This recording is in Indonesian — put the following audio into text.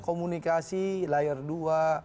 komunikasi layar dua